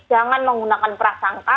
jangan menggunakan prasangka